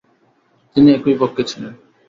তিনি একই পক্ষে ছিলেন।